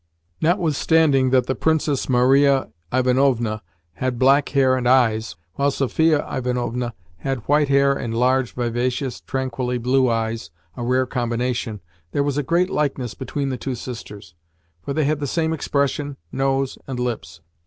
Notwithstanding that the Princess Maria Ivanovna had black hair and eyes, while Sophia Ivanovna had white hair and large, vivacious, tranquilly blue eyes (a rare combination), there was a great likeness between the two sisters, for they had the same expression, nose, and lips.